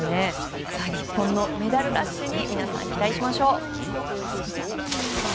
日本のメダルラッシュに皆さん、期待しましょう。